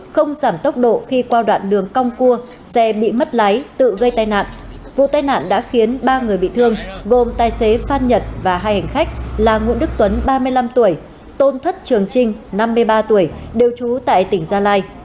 không giảm tốc độ khi qua đoạn đường cong cua xe bị mất lái tự gây tai nạn vụ tai nạn đã khiến ba người bị thương gồm tài xế phan nhật và hai hành khách là nguyễn đức tuấn ba mươi năm tuổi tôn thất trường trinh năm mươi ba tuổi đều trú tại tỉnh gia lai